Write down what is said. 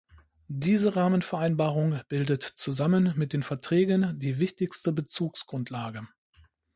Diese Rahmenvereinbarung bildet zusammen mit den Verträgen die wichtigste Bezugsgrundlage.